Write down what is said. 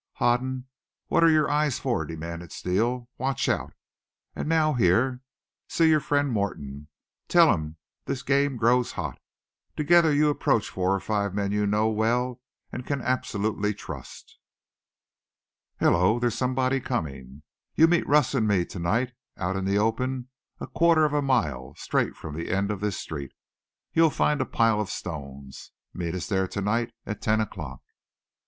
"Hoden, what are your eyes for?" demanded Steele. "Watch out. And now here. See your friend Morton. Tell him this game grows hot. Together you approach four or five men you know well and can absolutely trust. "Hello, there's somebody coming. You meet Russ and me to night, out in the open a quarter of a mile, straight from the end of this street. You'll find a pile of stones. Meet us there to night at ten o'clock."